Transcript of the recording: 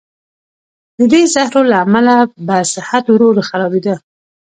د دې زهرو له امله به صحت ورو ورو خرابېده.